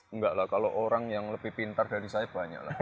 enggak lah kalau orang yang lebih pintar dari saya banyak lah